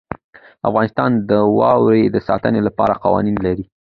افغانستان د واوره د ساتنې لپاره قوانین لري.